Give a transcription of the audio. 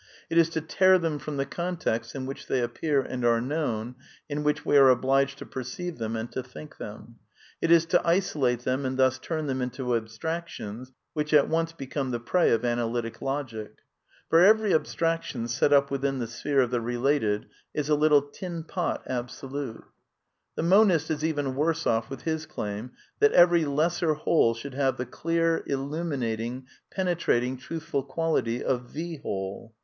It is to tear them from the con text in which they appear and are known, in which we are obliged to perceive them and to think them ; it is to isolate them and thus turn them into abstractions which at once become the prey of Analytic Logic. For every abstraction set up within the sphere of the re ^ lated is a little tin pot absolute. J The monist is even worse off with his claim that every lesser whole should have the clear, illuminating, pene trating, truthful quality of the Whole.